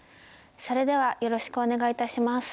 それではよろしくお願いいたします。